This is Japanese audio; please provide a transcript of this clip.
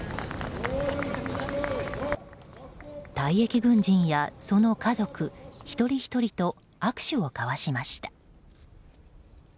退役軍人やその家族一人ひとりと握手を交わしました。